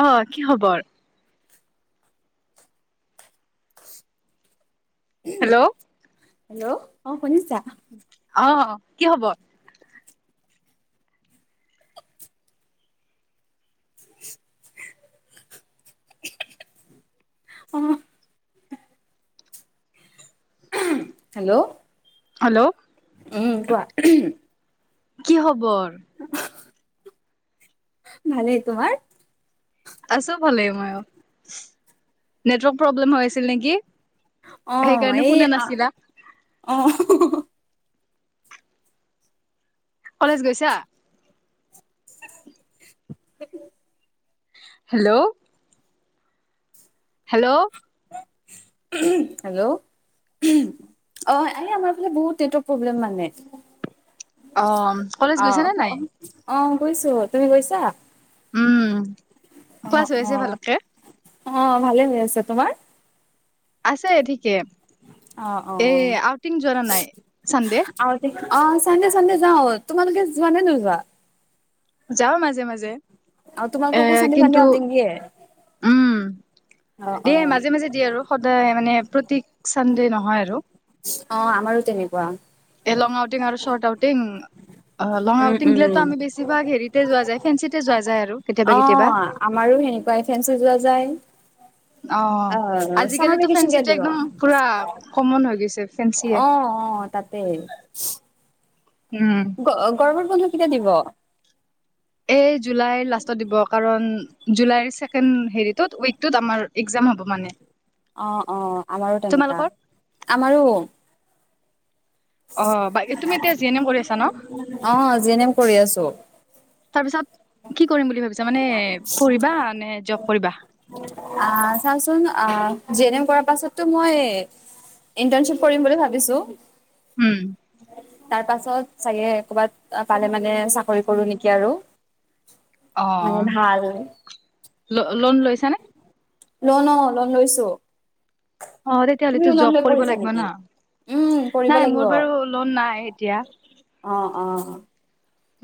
অ', কি খবৰ? হেল্ল' অ হেল্ল' অ', শুনিছা? অ', কি খবৰ? অ হেল্ল' হেল্ল' উম, কোৱা। কি খবৰ? ভালে তোমাৰ? আছোঁ ভালেই ময়ো, নেটৱৰ্ক প্ৰব্লেম হৈ আছিল নেকি? অ', সেইকাৰণে এই শুনা আ, নাছিলা অ', কলেজ গৈছা? হেল্ল' হেল্ল' হেল্ল' অ', আৰু আমাৰ ফালে বহুত নেটৰ্ক প্ৰব্লেম মানে। অ কলেজ গৈছা নে নাই অ', গৈছো তুমি গৈছা? উম, অ ক্লাছ হৈ অ আছে ভালকে? অ', ভালে হৈ আছে তোমাৰ? আছে ঠিকে, অ অ এই আউটিং যোৰা নাই চানডে। আউটিং অ', চানডে চানডে যাওঁ, তোমালোকে যোৱা নে নোযোৱা? যাওঁ মাজে মাজে অ এ তোমালোককো চানডে চানডে কিন্তু আউটিং দিয়ে উম, অ অ এ মাজে মাজে দিয়ে আৰু সদায় মানে প্ৰতিক চানডে নহয় আৰু। অ', আমাৰো তেনেকুৱা। এলং আউটিং আৰু শৰ্ট আউটিং। অ', লং উম আউটিং দিলো উম আমি বেছিভাগ হেৰিতে যোৱা যায়, ফেঞ্চিতে যোৱা যায় আৰু কেতিয়াবা কেতিয়াবা। তিনটায়ে ফেঞ্চি যোৱা যায়। অ', চামাৰ আজিকালিতো ভেকেচন কেতিয়া ফেঞ্চিটো দিব? একদম পুৰা ক'মন হৈ গৈছে। ফেঞ্চিয়ে অ', অ', তাতে। উম গ গৰমৰ বন্ধ কেতিয়া দিব? এ জুলাই লাষ্টত দিব কাৰণ জুলাই ছেকেণ্ড হেৰিটোত ৱিকটুত আমাৰ এক্সাম ম হ'ব মানে অ অ আমাৰো তেনেকা তোমালোকৰ আমাৰো আহ বাক তুমি এতিয়া জি এন এম কৰি আছা ন অ', জি এন এম কৰি আছোঁ, তাৰ পিছত কি কৰিম বুলি ভাবিছা মানে পঢ়িবা নে জব কৰিবা আহ চাচোন আহ জি এন এম কৰাৰ পাছতো মই ইণ্টাৰ্ণশ্বিপ কৰিম বুলি ভাবিছোঁ। উম, তাৰ পাছত চাগে কৰ'বাত পালে মানে চাকৰি কৰো নেকি আৰু। মানে অ', ভাল ল লোন লৈছানে? লন অ', লন লৈছো। অ তেতিয়াহ'লে তো জব কৰিব লাগিব না উম, কৰিব নাই লাগিব। মোৰ বাৰু লোন নাই এতিয়া অ অ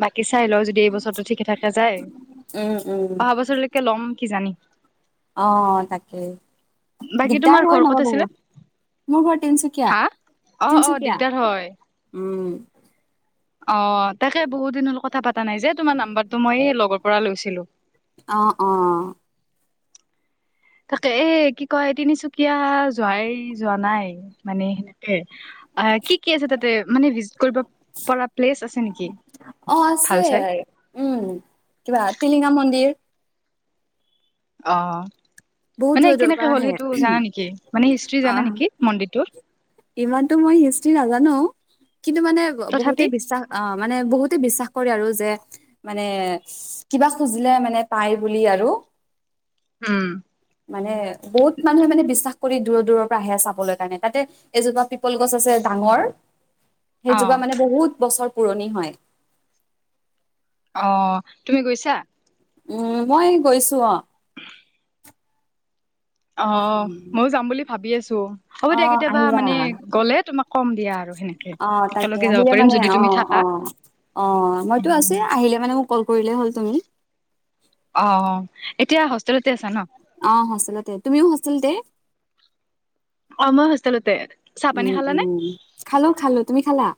বাকী চাই লও যদি এই বছৰটো ঠিকে থাককা যায় উম, উম। অহা বছৰলৈকে লম কি জানি অ তাকেই বাকী তোমাৰ দিগদাৰ ঘৰ হৈ নব ক'ত আছিলে? বহুত মোৰ ঘৰ তিনচুকীয়া হা? অ', অ', তিনচুকীয়া দিগদাৰ হয় উম অ তাকে বহুত দিন কথা পাতা নাই যে তোমাৰ নাম্বাৰটো মই লগৰ পৰা লৈছিলো অ অ তাকে এ কি কয় তিনিচুকীয়া যোৱাই যোৱা নাই মানে সেনেকে অ কি কি আছে তাতে মানে ভিজিট কৰিব পৰা প্লেচ আছে নেকি অ ভাল আছে চাই? উম কিবা টিলিঙা মন্দিৰ আহ বহুত মানে দূৰ দূৰৰ কেনেকে পৰা হ'ল আহে সেইটো জানা নেকি মানে হিষ্টি জানা আহ নেকি মন্দিৰটোৰ ইমানতো মই হিষ্ট্ৰী নাজানো কিন্তু মানে তথাপি? বহুতে বিশ্বাস অ মানে বহুতে বিশ্বাস কৰে আৰু যে মানে কিবা খুজিলে মানে পায় বুলি আৰু উম মানে বহুত মানুহে মানে বিশ্বাস কৰি দূৰৰ দূৰৰ পৰা আহে চাবলৈ কাৰণে তাতে এজোপা পিপল গছ আছে ডাঙৰ অ', সেইজোপা মানে বহুত বছৰ পুৰণি হয় অ তুমি গৈছা উম মই গৈছো অ অ ময়ও যাম বুলি ভাবি আছো হ'ব দিয়া অ' কেতিয়াবা আহিবা মানে গ'লে তুমাক কম দিয়া আৰু সেনেকে অ' তাকে একেলগে যাব আহিলে পাৰিম মানে যদি তুমি অ' অ থাকা অ মইতো আচো আহিলে মানে মোক কল কৰিলেই হ'ল তুমি অ এতিয়া হোষ্টেলতে আছা ন অ হোছতেলটে তুমিও হোষ্টেলত হে অম হষ্টেলতে উম উম খালো খালো তুমি খালা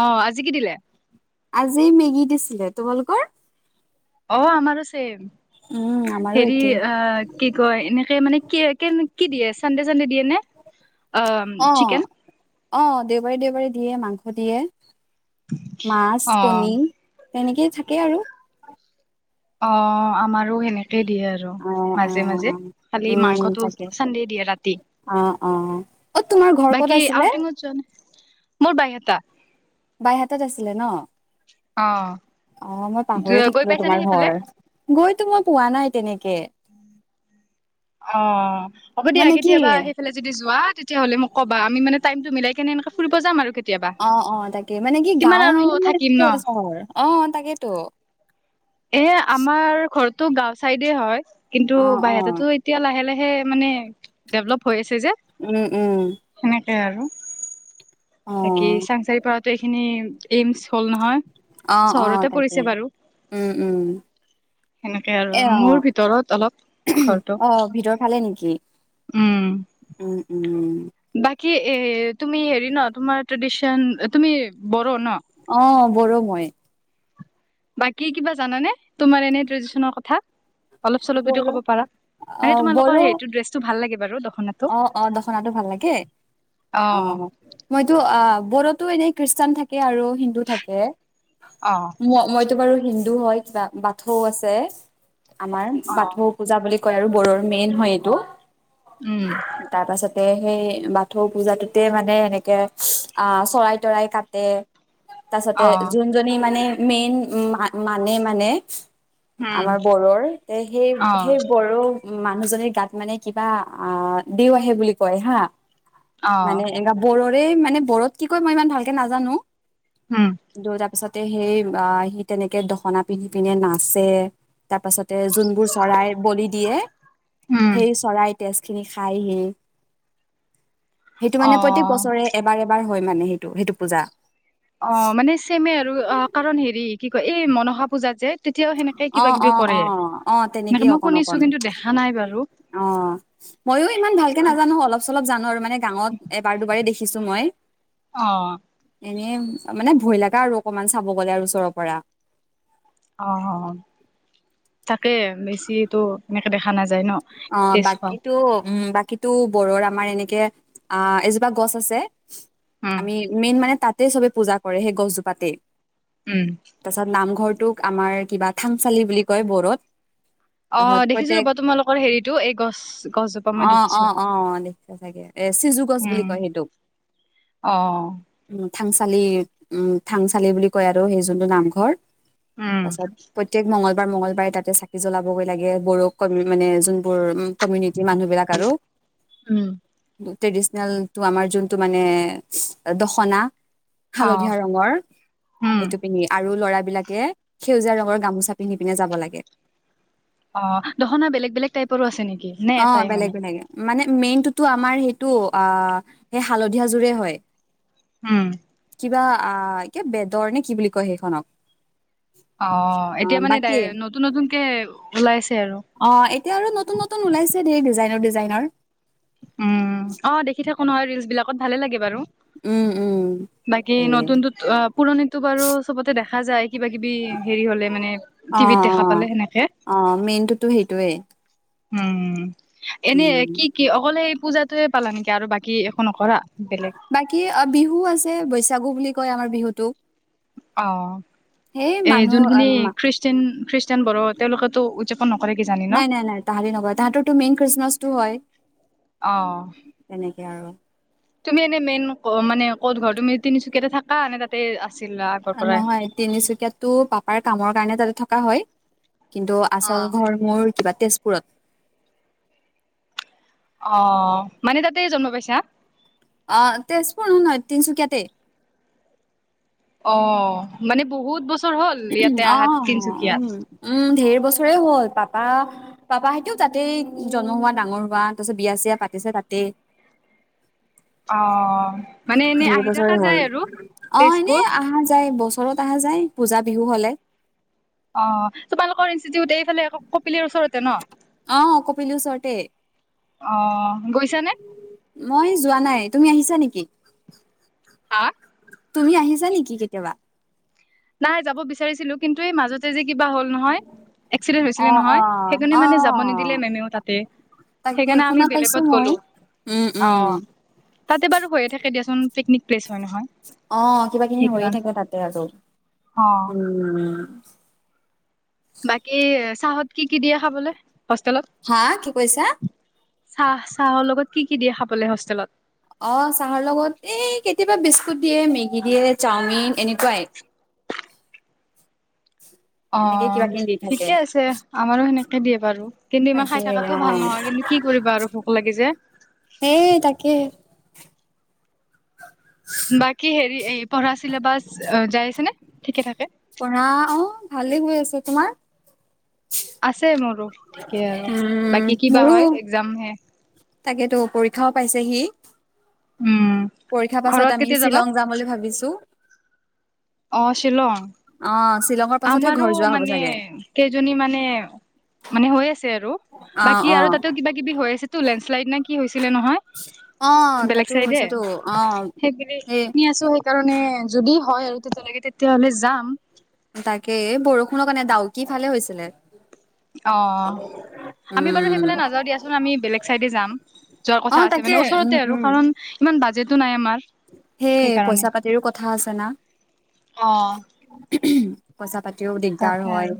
অ আজি কি দিলে আজি মেগী দিছিলে তোমালোকৰ অ আমাৰ ছেম উম আমাৰো হেৰি একেই অ কি কয় এনেকে মানে কি কেনে কি দিয়ে চানডে চানডে দিয়ে নে অ অ' চিকেন অ দেওবাৰী দেওবাৰী দিয়ে মাংস দিয়ে মাছ অ কণী তেনেকেই থাকে আৰু অ আমাৰো সেনেকেই দিয়ে আৰু অ' মাজে মাজে অ' খালি উম মাংসটো তাকে চানডেই দিয়ে ৰাতি অ' অ' অ' তোমাৰ ঘৰ ক'ত বাকী আছিলে আউটিঙত যোৱা নাই মোৰ বাই এটা বাইহাতাত আছিলে ন অ'। অ', মই পাহৰি গৈ থাকিলো পাইছানে তোমাৰ সেইফালে? ঘৰ। গৈতো মই পোৱা নাই তেনেকে। অ', হ'ব দিয়া। মানে কি কেতিয়াবা সেইফালে যদি যোৱা তেতিয়াহ'লে মোক ক'বা। আমি মানে টাইমটো মিলাই এনে এনেকে ফুৰিব যাম আৰু কে অ', অ', তাকে মানে কি গাঁও হয় নে থাকিম নে ন চহৰ? অ', তাকেইেতো। এ, আমাৰ ঘৰটো গাঁও চাইডে হয়। কিন্তু অ অ বাইহাতাটো এতিয়া লাহে লাহে সেই মানে ডেভেলপ হৈ আছে যে, উম উম হেনেকে আৰু। অ বাকি চাংচাৰি পৰা আহোঁতে এইখিনি এইমচ হ'ল নহয় অ অ চহৰতে তাকে পৰিছে বাৰু উম উম সেনেকে আৰু এ অ মোৰ ভিতৰত অলপ ঘৰটো অ ভিতৰ ভাল নেকি উম উম উম উ বাকী এ তুমি হেৰি ন তোমাৰ ট্ৰেডিচন তুমি বড়ো ন অ ম মই বাকী কিবা জানানে তোমাৰ এনে ট্ৰেডিশনৰ কথা অলপ-চলপ যদি বড়ো ক'ব পাৰা। অ মানে তোমালোকৰ বড়ো সেইটো ড্ৰেছটো ভাল লাগে। বাৰু দখনাটো অ', অ', দখনাটো ভাল লাগে? অ', মইতো অ', বড়োত এনেই খ্ৰীষ্টান থাকে আৰু হিন্দু থাকে। অ', ম মইতো বাৰু হিন হয়, কিবা বাথৌ আছে। আমাৰ বাথৌ পূজা বুলি কয়। আৰু বড়োৰ মেইন হয় এইটো। উম, তাৰ পাছত সেই বাথৌ পূজাটোতে মানে এনেকে আহ, চৰাই-তৰাই কাটে। তাছতে অ', যোনজনী মানে মেইন মানে মানে উম, আমাৰ বড়োৰ তে সেই অ', সেই বড়ো মানুহজনীৰ গাত মানে কিবা আ, দেউ আহে বুলি কয় হা। অ', মানে এনেকা বড়োৰ টোৱে মানে বড়োত কি কয় মই ইমান ভালকে নাজানো। উম, কিন্তু তাৰপিছত সেই অ', সি তেনেকে দখনা পিন্ধি পিনে নাচে। তাৰ পাছত যোনবোৰ চৰাই বলি দিয়ে, উম, সেই চৰাইত তেজখিনি খাইহি। সেইটো মানে প্ৰত্যেক অ', বছৰে এবাৰ এবাৰ হয় মানে সেইটো সেইটো পূজা। অ', মানে ছেমে আৰু। অ', কাৰণ হেৰি কি কয় এই মনসা পূজাত যে তেতিয়াও সেনেকেই অ অ কিবা-কিবি অ কৰে। অ মানে তেনেকেই মই অকণ অকণ শুনিছো কিন্তু দেখা নাই বাৰু। অ', ময়ো ইমান ভালকে নাজানো। অলপ-চলপ জানো আৰু। মানে গাঁৱত এবাৰ-দুবাৰেই দেখিছো মই। অ'। এনে মানে ভয় লাগা আৰু অকমান চাব গ'লে আৰু ওচৰৰ পৰা। অ', অ', তাকে বেছিটো এনেকে দেখা নাযায় ন অ', তেজ খোৱা বাকীটো উম, বাকী টো বড়োৰ আমাৰ এনেকে আ, এজোপা গছ আছে। উম, আমি মেইন মানে তাত তে চবে পূজা কৰে সেই গছজোপাতে। উম, তাৰ পিছত নামঘৰ তোক আমাৰ কিবা থাংচালি বুলি কয় বড়োত। তাৰপিছত অ', দেখিছো প্ৰত্যেক ৰ'বা তোমালোকৰ হেৰিটো এই গছ গছজোপা অ মই অ দেখিছো। অ দেখিছা চাগে এ চিজু গছ বুলি উম। কয় সেইটোক অহ। উম থাংচালি উম, থাংচালি বুলি কয় আৰু সেই যোনটো নামঘৰ। উম তাৰপাছত প্ৰত্যক মঙ্গলবাৰ মঙ্গলবাৰে তাতে চাকি জ্বলাবগৈ লাগে বড়োক মানে বড়ো উম, কমিউনিটিৰ মানুহবিলাক আৰু। উম উম। ট্ৰেডিচনেলটো আমাৰ যোনটো মানে দখনা। অ হালধীয়া ৰঙৰ উম সেইটো পিন্ধি আৰু ল'ৰা বিলাকে সেউজীয়া ৰঙৰ গামোচা পিন্ধি পিনে যাব লাগে। অ', দখনা বেলেগ-বেলেগ টাইপৰো আছে নেকি নে অ এটাই বেলেগ মানে? বেলেগ মানে মেইনতোটো আমাৰ সেইটো আ, সেই হালধীয়াযোৰে হয়। উম। কিবা আ এয়া বেদৰ নে কি বুলি কয় সেইখনক অ অ এতিয়া মানে বাকী নতুন নতুনকে ওলাইছে আৰু অ এতিয়া আৰু নতুন নতুন ওলাইছে দেেই ডিজাইনৰ ডিজাইনৰ উম অ দেখি থাকো নহয় ৰিলচ বিলাকত ভালে লাগে বাৰু উম উম বাকী সেয়ে নতুনত পুৰণিতটো বাৰু চবতে দেখা যায় কিবা কিবি হেৰি হলে মানে অ টিভিত দেখা পালে সেনেকে অ', মেইনতোটো সেইটোৱে। উম। এনে কি কি অকল সেই পূজাটোৱে পালা নেকি আৰু বাকী একো নকৰা? বেলেগ বাকী বিহু আছে বৈচাগু বুলি কয় আমাৰ বিহুটোক। অ সেই ', মানুহ যোনখিনি খ্ৰীষ্টান খ্ৰীষ্টান বড়ো তেওঁলোকেতো উদযাপন নকৰে কি জানি ন? নাই নাই নাই তাহাতি নকৰে। তাহাতঁৰটো মেইন খ্ৰীষ্টমাচটো হয়। অহ। তেনেকে আৰু তুমি এনে মেইন অ মানে ক'ত ঘৰত তুমি তিনিচুকীয়াতে থাকা নে তাতে আছিলা আগৰ পৰাই? নহয় তিনিচুকীয়াতটো পাপাৰ কামৰ কাৰণে তাতে থকা হয় কিন্তু অ। আচল ঘৰ মোৰ কিবা তেজপুৰত অ মানে তাতে জন্ম পাইছা হা অ তেজপুৰ নহয় তিনচুকীয়াতে অ মানে বহুত বস্তু অ উম উম ঢেৰ বছৰে হ'ল তাত পাপা পাপা সতেও তাতেই জনন্ম হোৱা ডাঙৰ হোৱা তাৰ পিছত বিয়া চয়া পাতিছে তাতে [inaudible] অ মানে এনেই ধেৰ আহি বছৰে থকা হ'ল যায় আৰু অ তেজপুৰ এনেই অহা যায় বছৰত অহা যায় পূজা বিহু হলে অ তোমালোকৰ ইনষ্টিটিউট এইফালে কপিলিৰ ওচৰতে ন? অ কপিলি ওচৰতে অ গৈছানে? মই যোৱা নাই তুমি আহিছা নেকি হা তুমি আহিছা নেকি কেতিয়াবা নাই যাব বিচাৰিছিলো কিন্তু এই মাজতে যে কিবা হ'ল নহয় এক্সিডেন্ট অ হৈছিলে অ নহয় সেইখিনি অ মানে যাব নিদিলে মেমেও তাতে তাকে সেইকাৰণে আমি শুনা পাইছো বেলেগত মই গ'লো উম অ উম তাতে বাৰু হৈয়ে থাকে দিয়াচোন পিকনিক পেলছ অ কিবা কিনি হৈয়ে থাকে তাতে আৰু অ উম বাকী চাহত কি কি দিয়ে খাবলৈ হা কি কৈছা চাহ চাহৰ লগত কি কি দিয়ে খাবলৈ হোষ্টেলত অ চাহৰ লগত এই কেতিয়াবা বিস্কুট দিয়ে মেগী দিয়ে চাওমিন এনেকুৱাই [unintelligible] অ কিবা কিনি দি থাকে। ঠিকে আছে আমাৰো সেনেকে দিয়ে বাৰু কিন্তু ইমান তাকে খাই অ থকাটোও ভাল নহয় কিন্তু কি কৰিবা আৰু ভোক লাগে যে সেই তাকে পঢ়া [unintelligible] অ ভালে আছে। তোমাৰ আছে মোৰো ঠিকে আৰু উম বাকী কিবা মোৰো হয় একজাম হে তাকেতো পৰীক্ষাও পাইছেহি উম পৰীক্ষাৰ পাছত ঘৰত আমি কেতিয়া যাবা শ্বিলং যাম বুলি ভাবিছো অ শ্বিলং অ শ্বিলঙৰ পাছতহে আমাৰো ঘৰ যোৱা হ'ব মানে চাগে। কেইজনী মানে মানে হৈ আছে আৰু অ বাকী অ আৰু তাতে কিবা কিবি হৈ আছে তো লেণ্ডশ্লাইড নে কি ছিলে নহয় অ বেলেগ তাতো চাইডে হৈছেতো অ সেই সেই শুনি আছো সেইকাৰণে যদি হয় আৰু তেতিয়ালকে তেতিয়াহলে যাম তাকে বৰষুণৰ কাৰণে ডাউ কি ফালে হৈছিলে অ আমি বাৰু উম সেইফালে নাযাওঁ দিয়াচোন আমি বেলেগ চাইডে যাম যোৱাৰ অ কথা আছে তাকে মানে উম ওচৰতে আৰু উম কাৰণ ইমান বাজেতো নাই আমাৰ সেই সেইকাৰণে পইচা পাতিৰো কথা আছে না অ [inaudible] পইচা পাতিও দিগদাৰ তাকে হয় আৰু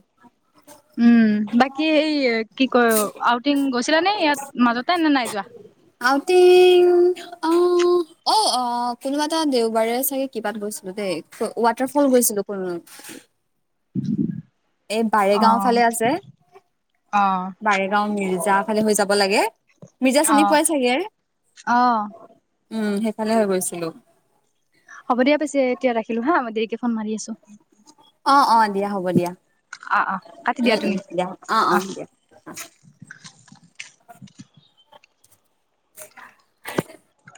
উম বাকী এই কি কয় আউটিং গৈছিলা নে ইয়াত মাজতে নে নাই যোৱা আউটিং অ অ অ কোনোবা এটা দেওবাৰে চাগে কিবাত গৈছিলো দেই ৱাটাৰ ফল গৈছিলো কোনো উ এই বাৰেগাঁও ফালে আছে অ বাৰেগাও মিৰিজাৰ্ভ ভালে হৈ যাব লাগে মিৰ্জা অ চিনি পাই চাগে অ [inaudible] উম সেইফালে হৈ গৈছিলো হ'ব দা পিছে এতিয়া ৰাখিলো হা মই দেৰিকে ফোন মাৰি আছো অ অ দিয়া হ'ব দিয়া অ অ কাটি উম উম তুমি দিয়া অ অ দিয়া অ [inaudible] [unintelligible]